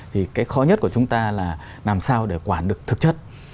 thì cái khó nhất của chúng ta là làm sao để quản được thực chất